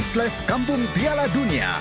slash kampung piala dunia